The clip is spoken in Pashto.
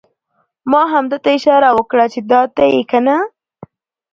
ما همده ته اشاره وکړه چې دا ته یې کنه؟!